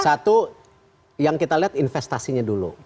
satu yang kita lihat investasinya dulu